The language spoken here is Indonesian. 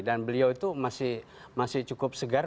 dan beliau itu masih cukup segar